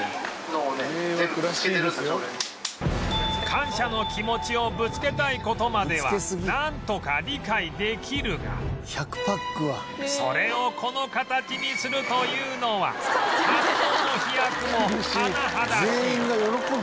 感謝の気持ちをぶつけたい事まではなんとか理解できるがそれをこの形にするというのは発想の飛躍も甚だしい